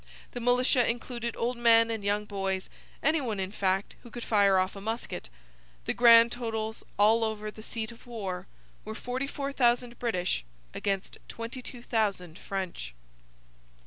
The militia included old men and young boys, any one, in fact, who could fire off a musket. The grand totals, all over the seat of war, were 44,000 British against 22,000 French.